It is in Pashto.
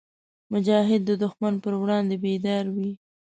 مجاهد د دښمن پر وړاندې بیدار وي.